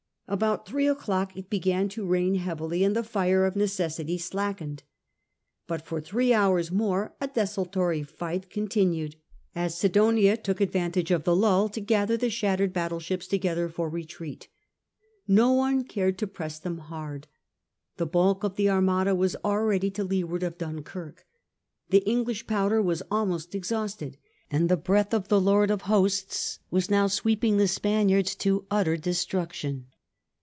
About three o'clock it began to rain heavily, and the fire of necessity slackened. But for three hours more a desultory fight con tinued, as Sidonia took advantage of the lull to gather the shattered battle ships together for retreat. No one cared to press them hard. The bulk of the Armada was already to leeward of Dunkirk. The English powder was almost exhausted, and the breath of the Lord of Hosts was now sweeping the Spaniards to utter destruction.